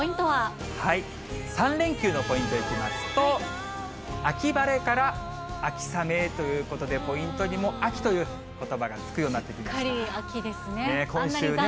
３連休のポイントいきますと、秋晴れから秋雨へということで、ポイントにも秋ということばがつすっかり秋ですね。